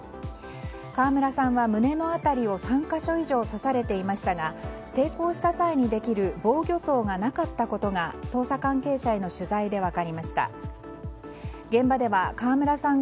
川村さんは胸の辺りを３か所以上刺されていましたが抵抗した際にできる防御創がなかったことがいつもの洗濯がいつもの服が